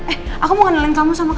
eh aku mau ngeliling kamu sama ke